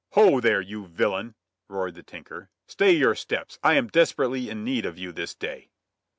"Ho there! you villain!" shouted Middle. "Stay your steps. I am most desperately in need of you this day!"